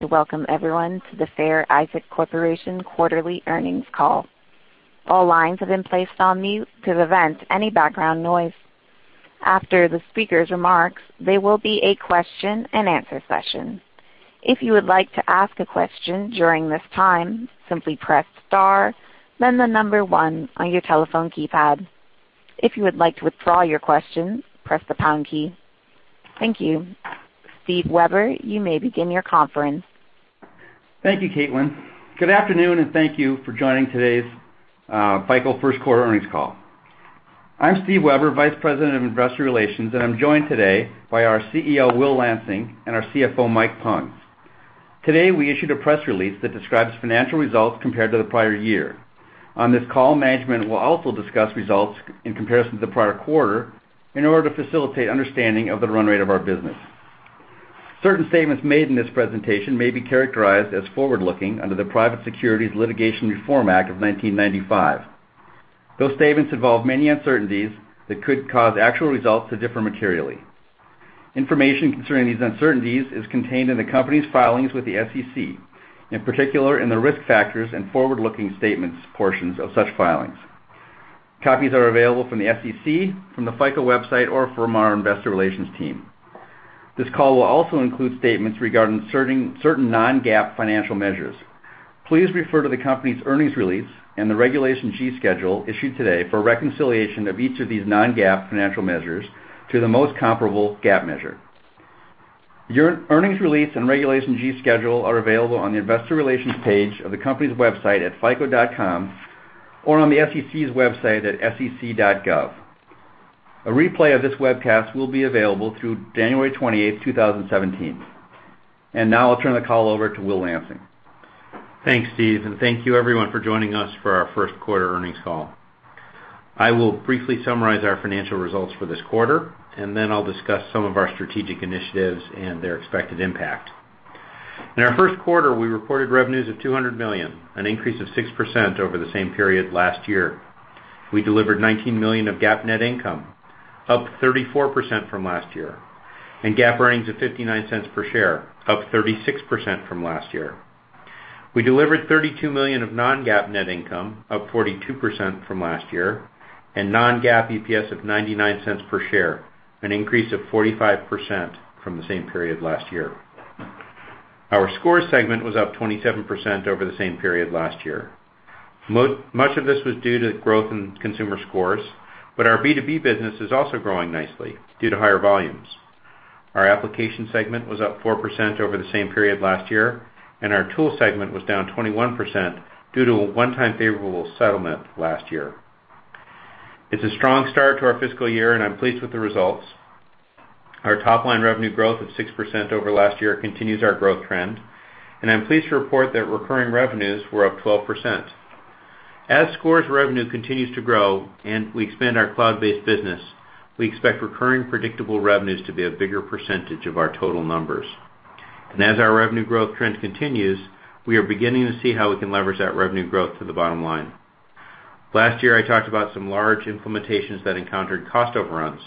Welcome everyone to the Fair Isaac Corporation quarterly earnings call. All lines have been placed on mute to prevent any background noise. After the speaker's remarks, there will be a question and answer session. If you would like to ask a question during this time, simply press star then the number one on your telephone keypad. If you would like to withdraw your question, press the pound key. Thank you. Steven Weber, you may begin your conference. Thank you, Caitlin. Good afternoon, thank you for joining today's FICO first quarter earnings call. I'm Steven Weber, Vice President of Investor Relations, I'm joined today by our CEO, Will Lansing, and our CFO, Mike Pales. Today, we issued a press release that describes financial results compared to the prior year. On this call, management will also discuss results in comparison to the prior quarter in order to facilitate understanding of the run rate of our business. Certain statements made in this presentation may be characterized as forward-looking under the Private Securities Litigation Reform Act of 1995. Those statements involve many uncertainties that could cause actual results to differ materially. Information concerning these uncertainties is contained in the company's filings with the SEC, in particular in the risk factors and forward-looking statements portions of such filings. Copies are available from the SEC, from the FICO website, or from our investor relations team. This call will also include statements regarding certain non-GAAP financial measures. Please refer to the company's earnings release and the Regulation G schedule issued today for a reconciliation of each of these non-GAAP financial measures to the most comparable GAAP measure. Your earnings release and Regulation G schedule are available on the investor relations page of the company's website at fico.com or on the SEC's website at sec.gov. A replay of this webcast will be available through January 28th, 2017. Now I'll turn the call over to Will Lansing. Thanks, Steve. Thank you everyone for joining us for our first quarter earnings call. I will briefly summarize our financial results for this quarter, then I'll discuss some of our strategic initiatives and their expected impact. In our first quarter, we reported revenues of $200 million, an increase of 6% over the same period last year. We delivered $19 million of GAAP net income, up 34% from last year, and GAAP earnings of $0.59 per share, up 36% from last year. We delivered $32 million of non-GAAP net income, up 42% from last year, and non-GAAP EPS of $0.99 per share, an increase of 45% from the same period last year. Our Scores segment was up 27% over the same period last year. Much of this was due to growth in consumer scores, Our B2B business is also growing nicely due to higher volumes. Our application segment was up 4% over the same period last year, our tools segment was down 21% due to a one-time favorable settlement last year. It's a strong start to our fiscal year, and I'm pleased with the results. Our top-line revenue growth of 6% over last year continues our growth trend, and I'm pleased to report that recurring revenues were up 12%. As Scores revenue continues to grow and we expand our cloud-based business, we expect recurring predictable revenues to be a bigger percentage of our total numbers. As our revenue growth trend continues, we are beginning to see how we can leverage that revenue growth to the bottom line. Last year, I talked about some large implementations that encountered cost overruns.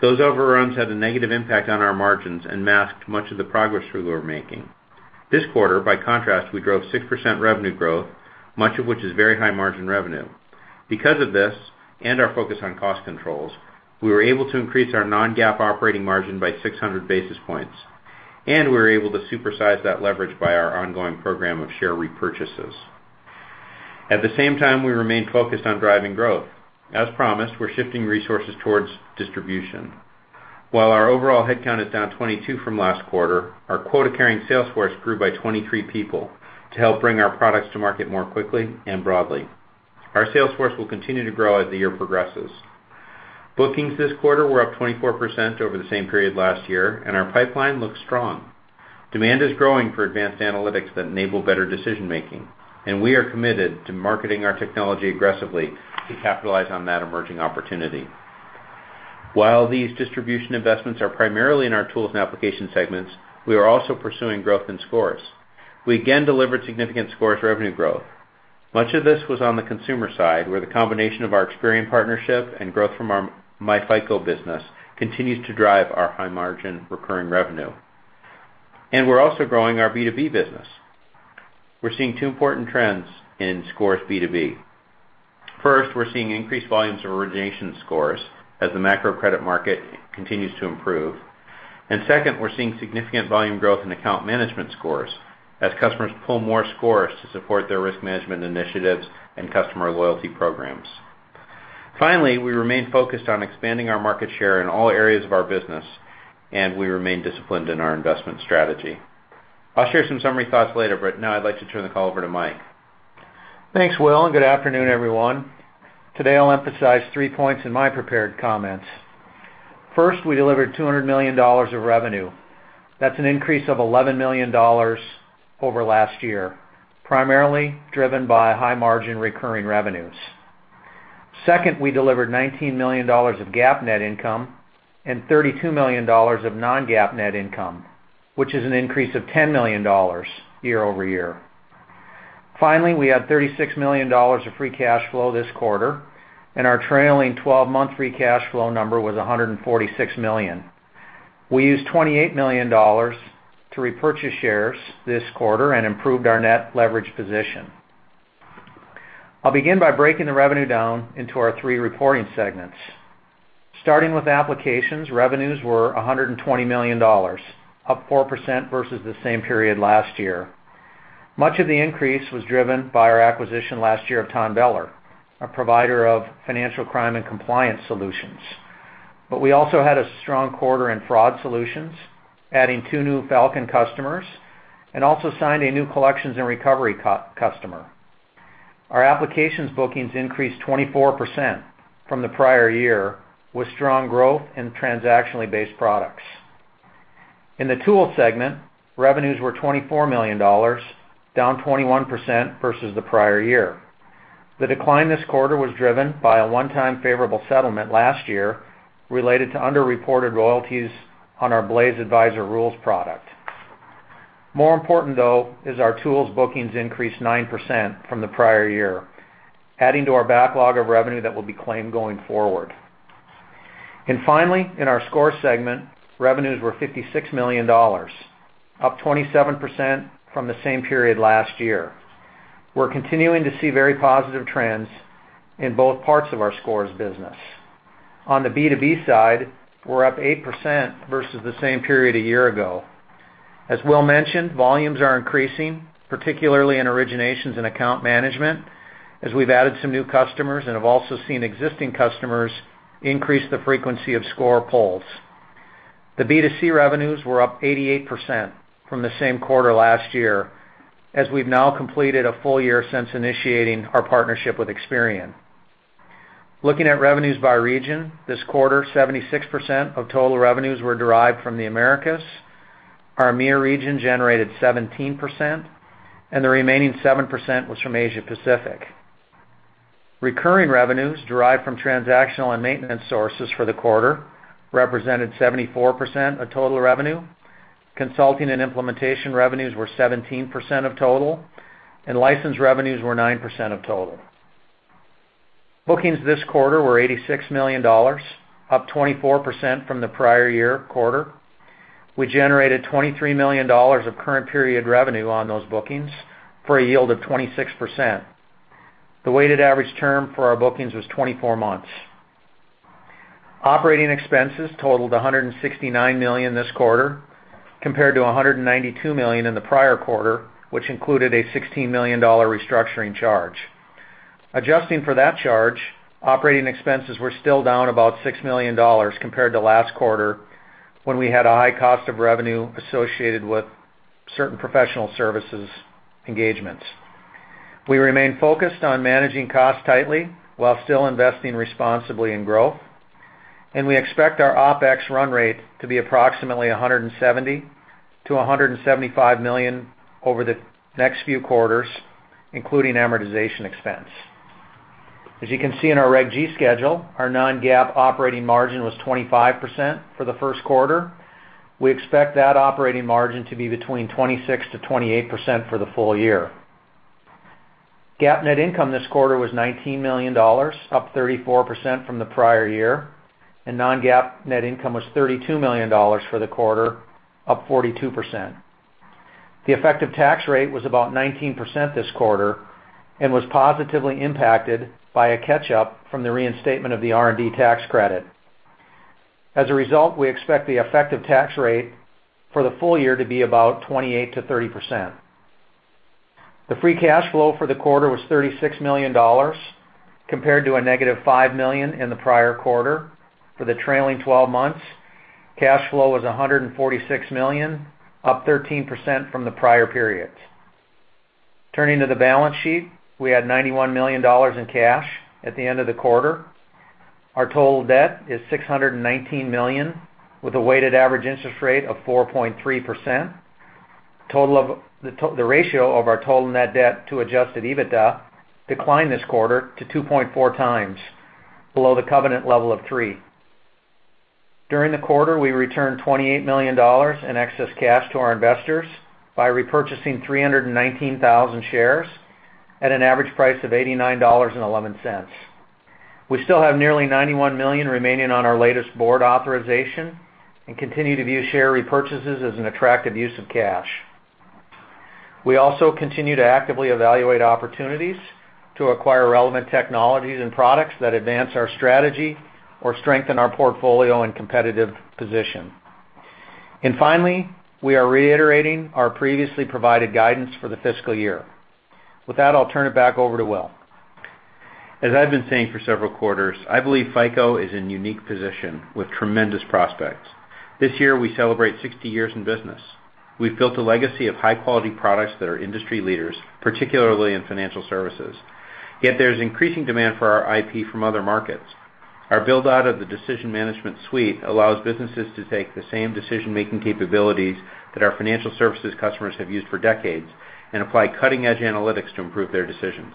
Those overruns had a negative impact on our margins and masked much of the progress we were making. This quarter, by contrast, we drove 6% revenue growth, much of which is very high-margin revenue. Because of this and our focus on cost controls, we were able to increase our non-GAAP operating margin by 600 basis points, and we were able to supersize that leverage by our ongoing program of share repurchases. At the same time, we remain focused on driving growth. As promised, we're shifting resources towards distribution. While our overall headcount is down 22 from last quarter, our quota-carrying sales force grew by 23 people to help bring our products to market more quickly and broadly. Our sales force will continue to grow as the year progresses. Bookings this quarter were up 24% over the same period last year, and our pipeline looks strong. Demand is growing for advanced analytics that enable better decision-making, and we are committed to marketing our technology aggressively to capitalize on that emerging opportunity. While these distribution investments are primarily in our tools and application segments, we are also pursuing growth in Scores. We again delivered significant Scores revenue growth. Much of this was on the consumer side, where the combination of our Experian partnership and growth from our myFICO business continues to drive our high-margin recurring revenue. We're also growing our B2B business. We're seeing two important trends in Scores B2B. First, we're seeing increased volumes of origination scores as the macro credit market continues to improve. Second, we're seeing significant volume growth in account management scores as customers pull more scores to support their risk management initiatives and customer loyalty programs. Finally, we remain focused on expanding our market share in all areas of our business, and we remain disciplined in our investment strategy. I'll share some summary thoughts later, but now I'd like to turn the call over to Mike. Thanks, Will, and good afternoon, everyone. Today, I'll emphasize three points in my prepared comments. First, we delivered $200 million of revenue. That's an increase of $11 million over last year, primarily driven by high-margin recurring revenues. Second, we delivered $19 million of GAAP net income and $32 million of non-GAAP net income, which is an increase of $10 million year-over-year. Finally, we had $36 million of free cash flow this quarter, and our trailing 12-month free cash flow number was $146 million. We used $28 million to repurchase shares this quarter and improved our net leverage position. I'll begin by breaking the revenue down into our three reporting segments. Starting with applications, revenues were $120 million, up 4% versus the same period last year. Much of the increase was driven by our acquisition last year of TONBELLER, a provider of financial crime and compliance solutions. We also had a strong quarter in fraud solutions, adding two new Falcon customers, and also signed a new collections and recovery customer. Our applications bookings increased 24% from the prior year, with strong growth in transactionally based products. In the tools segment, revenues were $24 million, down 21% versus the prior year. The decline this quarter was driven by a one-time favorable settlement last year related to underreported royalties on our FICO Blaze Advisor product. More important, though, is our tools bookings increased 9% from the prior year, adding to our backlog of revenue that will be claimed going forward. Finally, in our score segment, revenues were $56 million, up 27% from the same period last year. We're continuing to see very positive trends in both parts of our scores business. On the B2B side, we're up 8% versus the same period a year ago. As Will mentioned, volumes are increasing, particularly in originations and account management, as we've added some new customers and have also seen existing customers increase the frequency of score pulls. The B2C revenues were up 88% from the same quarter last year, as we've now completed a full year since initiating our partnership with Experian. Looking at revenues by region, this quarter, 76% of total revenues were derived from the Americas. Our EMEA region generated 17%, and the remaining 7% was from Asia Pacific. Recurring revenues derived from transactional and maintenance sources for the quarter represented 74% of total revenue. Consulting and implementation revenues were 17% of total, and license revenues were 9% of total. Bookings this quarter were $86 million, up 24% from the prior year quarter. We generated $23 million of current period revenue on those bookings for a yield of 26%. The weighted average term for our bookings was 24 months. Operating expenses totaled $169 million this quarter, compared to $192 million in the prior quarter, which included a $16 million restructuring charge. Adjusting for that charge, operating expenses were still down about $6 million compared to last quarter, when we had a high cost of revenue associated with certain professional services engagements. We remain focused on managing costs tightly while still investing responsibly in growth, we expect our OpEx run rate to be approximately $170 million-$175 million over the next few quarters, including amortization expense. As you can see in our Reg G schedule, our non-GAAP operating margin was 25% for the first quarter. We expect that operating margin to be between 26%-28% for the full year. GAAP net income this quarter was $19 million, up 34% from the prior year, non-GAAP net income was $32 million for the quarter, up 42%. The effective tax rate was about 19% this quarter and was positively impacted by a catch-up from the reinstatement of the R&D tax credit. As a result, we expect the effective tax rate for the full year to be about 28%-30%. The free cash flow for the quarter was $36 million, compared to a negative $5 million in the prior quarter. For the trailing 12 months, cash flow was $146 million, up 13% from the prior periods. Turning to the balance sheet, we had $91 million in cash at the end of the quarter. Our total debt is $619 million, with a weighted average interest rate of 4.3%. The ratio of our total net debt to adjusted EBITDA declined this quarter to 2.4 times, below the covenant level of 3. During the quarter, we returned $28 million in excess cash to our investors by repurchasing 319,000 shares at an average price of $89.11. We still have nearly $91 million remaining on our latest board authorization and continue to view share repurchases as an attractive use of cash. We also continue to actively evaluate opportunities to acquire relevant technologies and products that advance our strategy or strengthen our portfolio and competitive position. Finally, we are reiterating our previously provided guidance for the fiscal year. With that, I'll turn it back over to Will. As I've been saying for several quarters, I believe FICO is in a unique position with tremendous prospects. This year, we celebrate 60 years in business. We've built a legacy of high-quality products that are industry leaders, particularly in financial services. Yet there's increasing demand for our IP from other markets. Our build-out of the Decision Management Suite allows businesses to take the same decision-making capabilities that our financial services customers have used for decades and apply cutting-edge analytics to improve their decisions.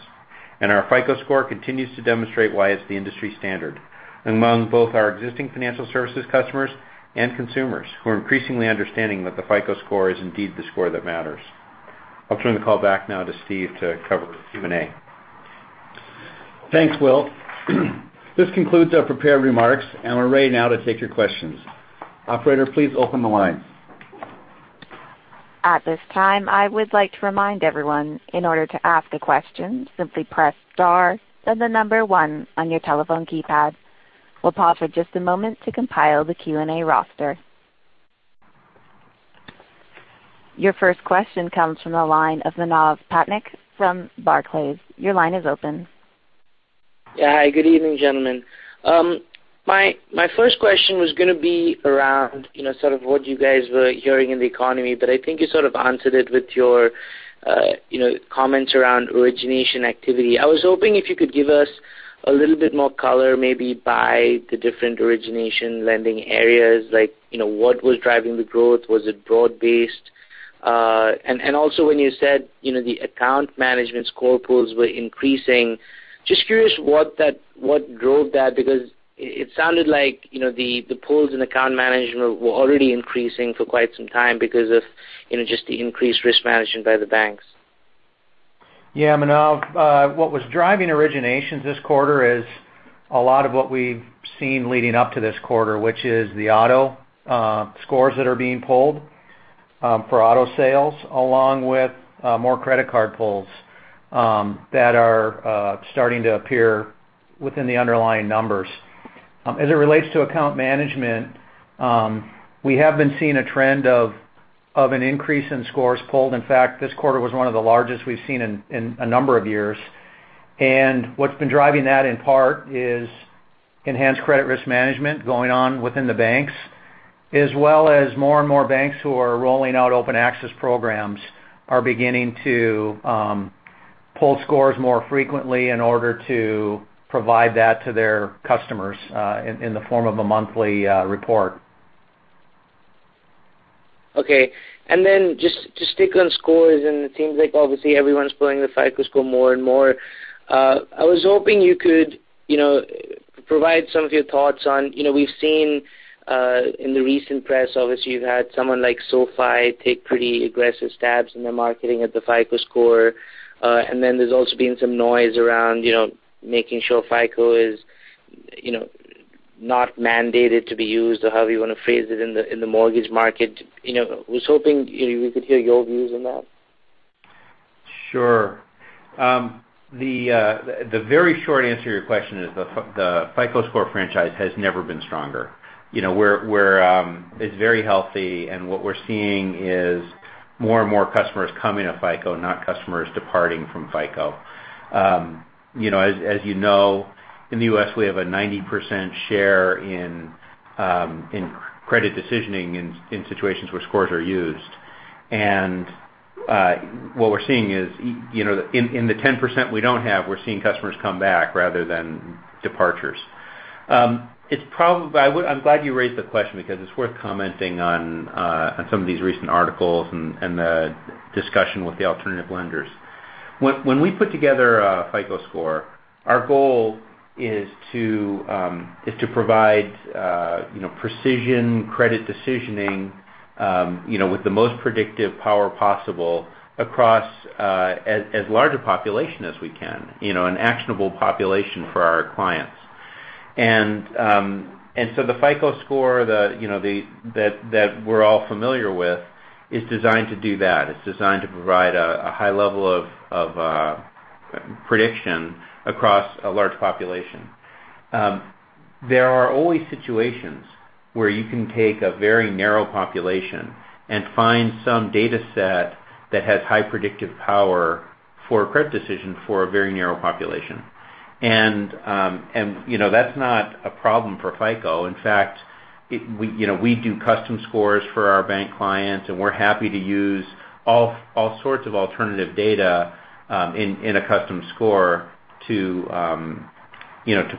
Our FICO Score continues to demonstrate why it's the industry standard among both our existing financial services customers and consumers, who are increasingly understanding that the FICO Score is indeed the score that matters. I'll turn the call back now to Steve to cover the Q&A. Thanks, Will. This concludes our prepared remarks, we're ready now to take your questions. Operator, please open the line. At this time, I would like to remind everyone, in order to ask a question, simply press star 1 on your telephone keypad. We'll pause for just a moment to compile the Q&A roster. Your first question comes from the line of Manav Patnaik from Barclays. Your line is open. Hi, good evening, gentlemen. My first question was going to be around sort of what you guys were hearing in the economy, but I think you sort of answered it with your comments around origination activity. I was hoping if you could give us a little bit more color, maybe by the different origination lending areas, like what was driving the growth. Was it broad-based? Also when you said the account management score pulls were increasing, just curious what drove that because it sounded like the pulls in account management were already increasing for quite some time because of just the increased risk management by the banks. Manav, what was driving originations this quarter is a lot of what we've seen leading up to this quarter, which is the auto scores that are being pulled for auto sales, along with more credit card pulls that are starting to appear within the underlying numbers. As it relates to account management, we have been seeing a trend of an increase in scores pulled. In fact, this quarter was one of the largest we've seen in a number of years. What's been driving that, in part, is enhanced credit risk management going on within the banks, as well as more and more banks who are rolling out Open Access programs are beginning to pull scores more frequently in order to provide that to their customers in the form of a monthly report. Okay. Just to stick on scores, it seems like obviously everyone's pulling the FICO Score more and more. I was hoping you could provide some of your thoughts on, we've seen in the recent press, obviously, you've had someone like SoFi take pretty aggressive stabs in their marketing at the FICO Score. There's also been some noise around making sure FICO is not mandated to be used or however you want to phrase it in the mortgage market. I was hoping we could hear your views on that. Sure. The very short answer to your question is the FICO Score franchise has never been stronger. It's very healthy, what we're seeing is more and more customers coming to FICO, not customers departing from FICO. As you know, in the U.S., we have a 90% share in credit decisioning in situations where scores are used. What we're seeing is, in the 10% we don't have, we're seeing customers come back rather than departures. I'm glad you raised the question because it's worth commenting on some of these recent articles and the discussion with the alternative lenders. When we put together a FICO Score, our goal is to provide precision credit decisioning with the most predictive power possible across as large a population as we can, an actionable population for our clients. The FICO Score that we're all familiar with is designed to do that. It's designed to provide a high level of prediction across a large population. There are always situations where you can take a very narrow population and find some data set that has high predictive power for a credit decision for a very narrow population. That's not a problem for FICO. In fact, we do custom scores for our bank clients, we're happy to use all sorts of alternative data in a custom score to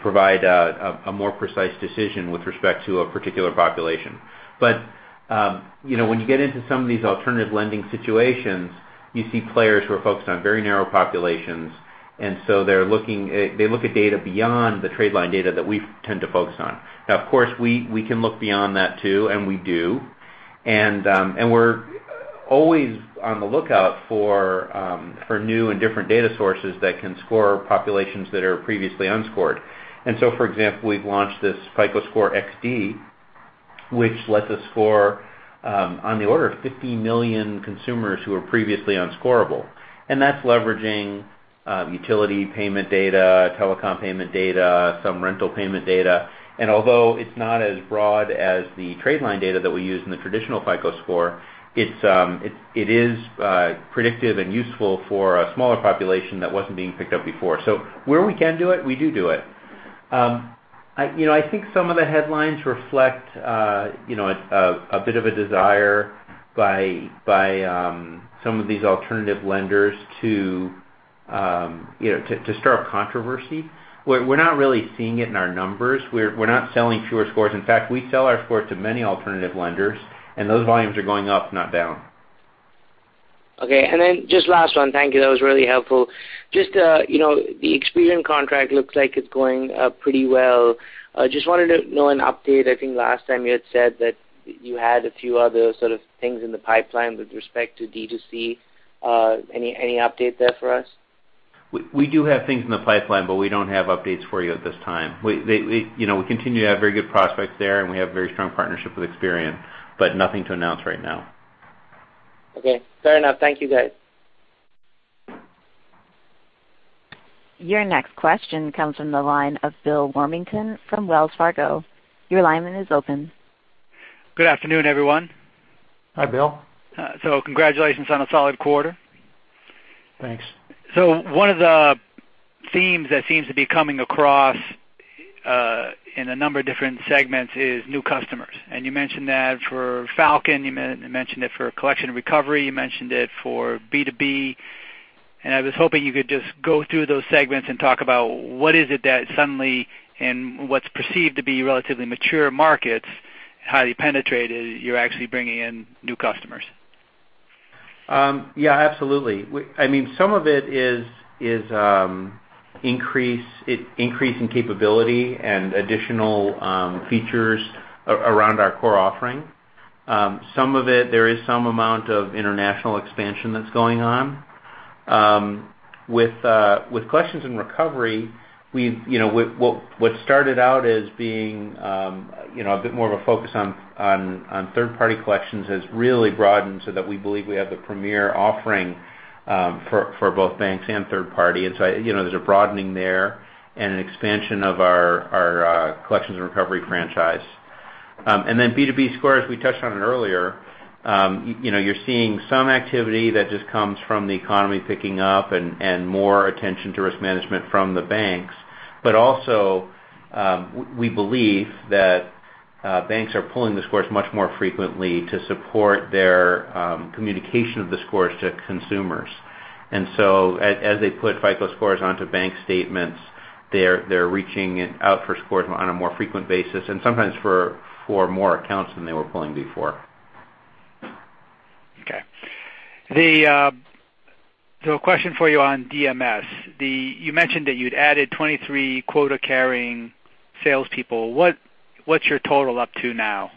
provide a more precise decision with respect to a particular population. When you get into some of these alternative lending situations, you see players who are focused on very narrow populations, they look at data beyond the trade line data that we tend to focus on. Now, of course, we can look beyond that, too, and we do. We're always on the lookout for new and different data sources that can score populations that are previously unscored. For example, we've launched this FICO Score XD, which lets us score on the order of 50 million consumers who were previously unscorable. That's leveraging utility payment data, telecom payment data, some rental payment data. Although it's not as broad as the trade line data that we use in the traditional FICO Score, it is predictive and useful for a smaller population that wasn't being picked up before. Where we can do it, we do it. I think some of the headlines reflect a bit of a desire by some of these alternative lenders to stir up controversy. We're not really seeing it in our numbers. We're not selling fewer scores. In fact, we sell our scores to many alternative lenders, and those volumes are going up, not down. Okay. Just last one. Thank you. That was really helpful. Just the Experian contract looks like it is going pretty well. Just wanted to know an update. I think last time you had said that you had a few other sort of things in the pipeline with respect to D2C. Any update there for us? We do have things in the pipeline, but we don't have updates for you at this time. We continue to have very good prospects there, and we have very strong partnership with Experian, but nothing to announce right now. Okay, fair enough. Thank you, guys. Your next question comes from the line of Bill Warmington from Wells Fargo. Your line is open. Good afternoon, everyone. Hi, Bill. Congratulations on a solid quarter. Thanks. One of the themes that seems to be coming across in a number of different segments is new customers, you mentioned that for Falcon, you mentioned it for collection and recovery, you mentioned it for B2B. I was hoping you could just go through those segments and talk about what is it that suddenly, in what's perceived to be relatively mature markets, highly penetrated, you're actually bringing in new customers. Yeah, absolutely. Some of it is increasing capability and additional features around our core offering. Some of it, there is some amount of international expansion that's going on. With collections and recovery, what started out as being a bit more of a focus on third-party collections has really broadened so that we believe we have the premier offering for both banks and third party. There's a broadening there and an expansion of our collections and recovery franchise. B2B Scores, we touched on it earlier. You're seeing some activity that just comes from the economy picking up and more attention to risk management from the banks. Also, we believe that banks are pulling the scores much more frequently to support their communication of the scores to consumers. As they put FICO Scores onto bank statements, they're reaching out for scores on a more frequent basis and sometimes for more accounts than they were pulling before. Okay. A question for you on DMS. You mentioned that you'd added 23 quota-carrying salespeople. What's your total up to now?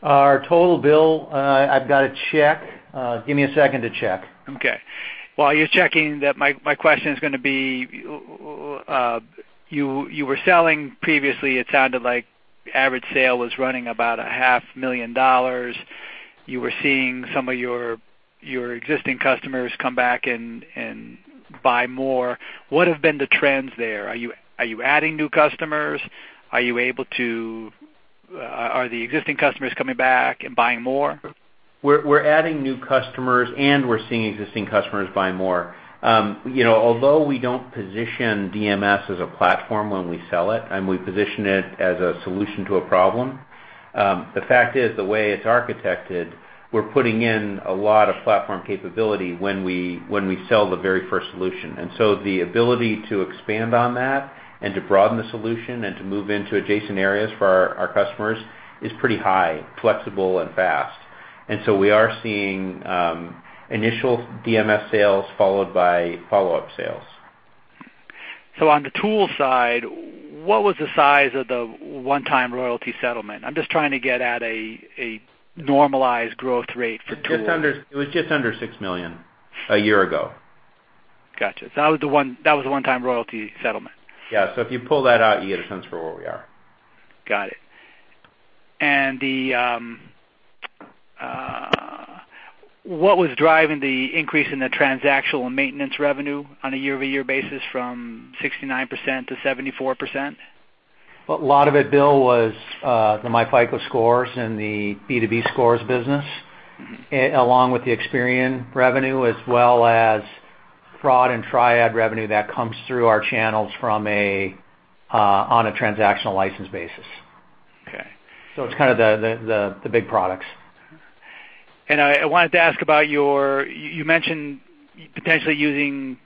Our total, Bill, I've got to check. Give me a second to check. While you're checking, my question is going to be, you were selling previously, it sounded like average sale was running about a half million dollars. You were seeing some of your existing customers come back and buy more. What have been the trends there? Are you adding new customers? Are the existing customers coming back and buying more? We're adding new customers, and we're seeing existing customers buy more. Although we don't position DMS as a platform when we sell it, and we position it as a solution to a problem, the fact is, the way it's architected, we're putting in a lot of platform capability when we sell the very first solution. The ability to expand on that and to broaden the solution and to move into adjacent areas for our customers is pretty high, flexible, and fast. We are seeing initial DMS sales followed by follow-up sales. On the tool side, what was the size of the one-time royalty settlement? I'm just trying to get at a normalized growth rate for tools. It was just under $6 million a year ago. Got you. That was the one-time royalty settlement? Yeah. If you pull that out, you get a sense for where we are. Got it. What was driving the increase in the transactional and maintenance revenue on a year-over-year basis from 69% to 74%? A lot of it, Bill, was the myFICO scores and the B2B Scores business, along with the Experian revenue, as well as fraud and TRIAD revenue that comes through our channels on a transactional license basis. Okay. It's kind of the big products. I wanted to ask about, you mentioned potentially using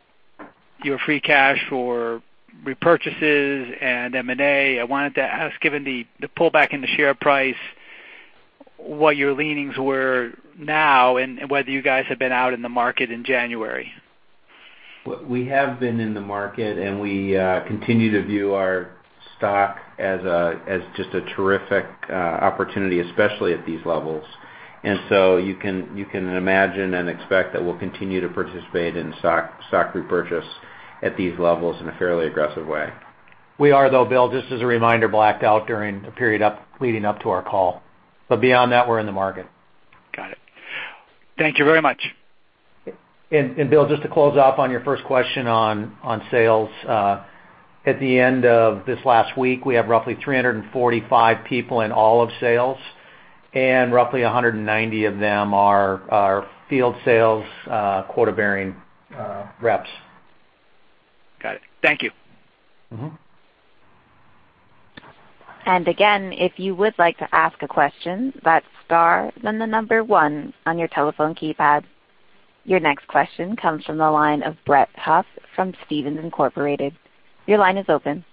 your free cash for repurchases and M&A. I wanted to ask, given the pullback in the share price, what your leanings were now and whether you guys have been out in the market in January. We have been in the market, and we continue to view our stock as just a terrific opportunity, especially at these levels. You can imagine and expect that we'll continue to participate in stock repurchase at these levels in a fairly aggressive way. We are, though, Bill, just as a reminder, blacked out during a period leading up to our call. Beyond that, we're in the market. Got it. Thank you very much. Bill, just to close off on your first question on sales. At the end of this last week, we have roughly 345 people in all of sales, and roughly 190 of them are field sales quota-bearing reps. Got it. Thank you. Again, if you would like to ask a question, that's star, then the number one on your telephone keypad. Your next question comes from the line of Brett Huff from Stephens Inc.. Your line is open.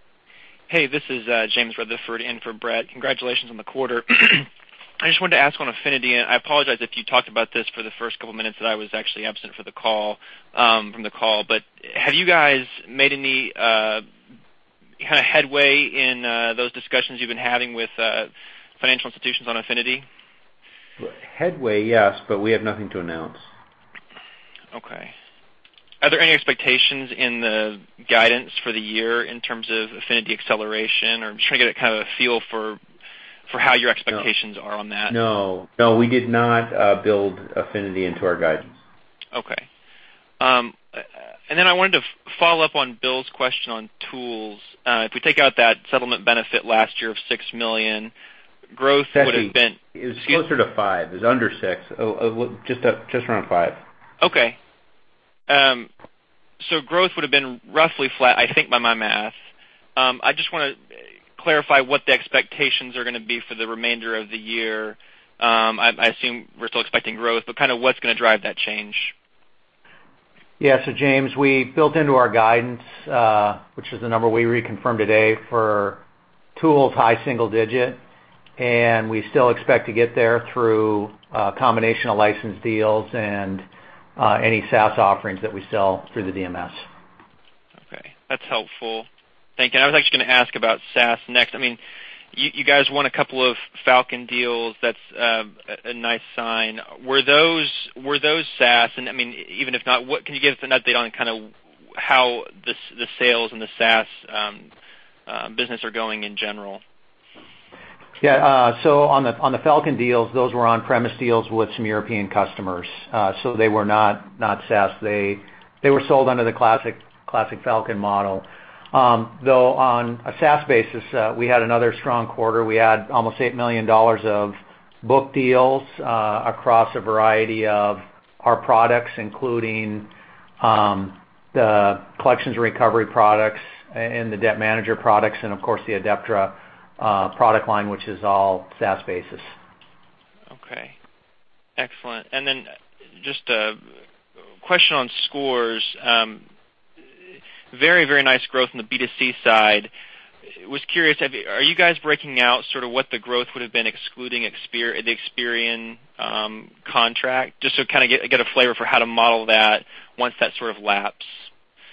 Hey, this is James Rutherford in for Brett. Congratulations on the quarter. I just wanted to ask on Affinity, and I apologize if you talked about this for the first couple of minutes that I was actually absent from the call. Have you guys made any kind of headway in those discussions you've been having with financial institutions on Affinity? Headway, yes, but we have nothing to announce. Okay. Are there any expectations in the guidance for the year in terms of Affinity acceleration? I'm just trying to get a feel for how your expectations are on that. No. No, we did not build Affinity into our guidance. Okay. I wanted to follow up on Bill's question on tools. If we take out that settlement benefit last year of $6 million, growth would have been- It was closer to five. It was under six. Just around five. Okay. Growth would've been roughly flat, I think, by my math. I just want to clarify what the expectations are going to be for the remainder of the year. I assume we're still expecting growth, what's going to drive that change? Yeah. James, we built into our guidance, which is the number we reconfirmed today for tools, high single digit, we still expect to get there through a combination of license deals and any SaaS offerings that we sell through the DMS. Okay. That's helpful. Thank you. I was actually going to ask about SaaS next. You guys won a couple of Falcon deals. That's a nice sign. Were those SaaS? Even if not, can you give us an update on how the sales and the SaaS business are going in general? Yeah. On the Falcon deals, those were on-premise deals with some European customers. They were not SaaS. They were sold under the classic Falcon model. Though, on a SaaS basis, we had another strong quarter. We had almost $8 million of book deals across a variety of our products, including the collections and recovery products and the Debt Manager products and, of course, the Adeptra product line, which is all SaaS-basis. Okay. Excellent. Just a question on scores. Very, very nice growth on the B2C side. Was curious, are you guys breaking out what the growth would've been excluding the Experian contract? Just to get a flavor for how to model that once that sort of lapse.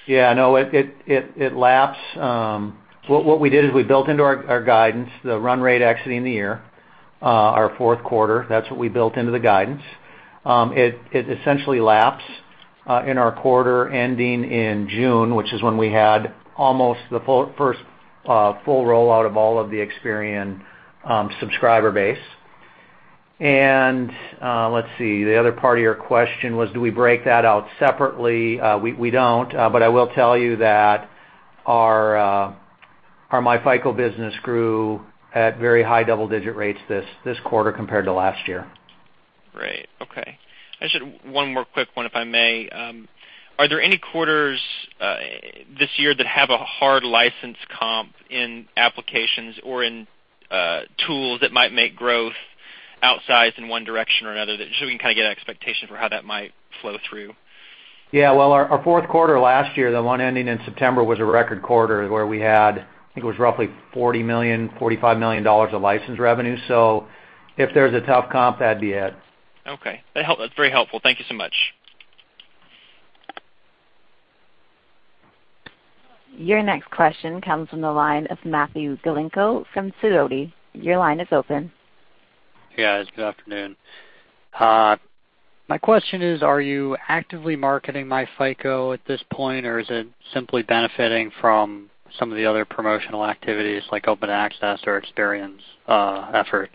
Yeah, no, it lapsed. What we did is we built into our guidance, the run rate exiting the year, our fourth quarter. That's what we built into the guidance. It essentially lapsed in our quarter ending in June, which is when we had almost the first full rollout of all of the Experian subscriber base. Let's see, the other part of your question was, do we break that out separately? We don't. I will tell you that our myFICO business grew at very high double-digit rates this quarter compared to last year. Great. Okay. I just had one more quick one, if I may. Are there any quarters this year that have a hard license comp in applications or in tools that might make growth outsized in one direction or another? Just so we can get an expectation for how that might flow through. Yeah. Well, our fourth quarter last year, the one ending in September, was a record quarter where we had, I think it was roughly $40 million, $45 million of license revenue. If there's a tough comp, that'd be it. Okay. That's very helpful. Thank you so much. Your next question comes from the line of Matthew Klinko from Sidoti & Company. Your line is open. Yes, good afternoon. My question is, are you actively marketing myFICO at this point, or is it simply benefiting from some of the other promotional activities like open access or Experian's efforts?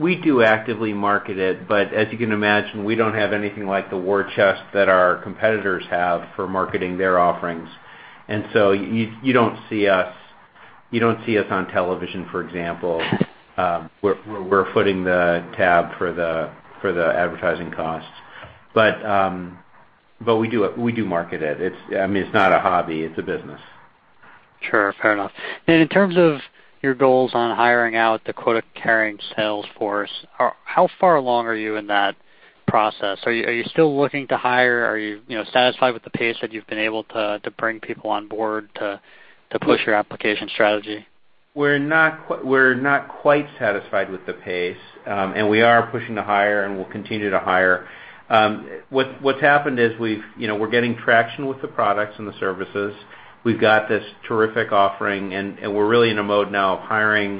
We do actively market it, as you can imagine, we don't have anything like the war chest that our competitors have for marketing their offerings. So you don't see us on television, for example. We're footing the tab for the advertising costs. We do market it. It's not a hobby. It's a business. Sure. Fair enough. In terms of your goals on hiring out the quota-carrying sales force, how far along are you in that process? Are you still looking to hire? Are you satisfied with the pace that you've been able to bring people on board to push your application strategy? We're not quite satisfied with the pace, and we are pushing to hire, and we'll continue to hire. What's happened is we're getting traction with the products and the services. We've got this terrific offering, and we're really in a mode now of hiring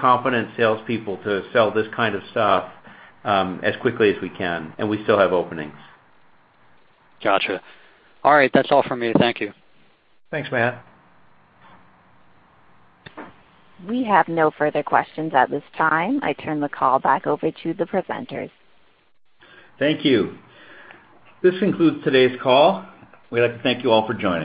competent salespeople to sell this kind of stuff as quickly as we can, and we still have openings. Got you. All right. That's all from me. Thank you. Thanks, Matt. We have no further questions at this time. I turn the call back over to the presenters. Thank you. This concludes today's call. We'd like to thank you all for joining.